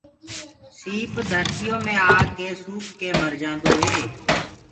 سيٚپ ڌرتيو مي آڪي سوُڪ ڪي مرجآندآ هي۔